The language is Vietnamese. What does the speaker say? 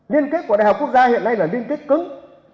liên kết của đại học quốc gia hiện nay là liên kết cứng